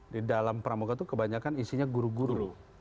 di dalam pramuga itu kebanyakan isinya guru guru